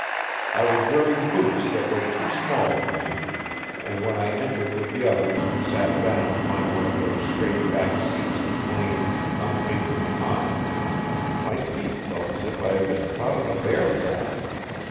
I was wearing boots that were too small for me, and when I entered with the others and sat down upon one of those straight backed seats of plain, unpainted pine my feet felt as if I had been caught in a bear trap.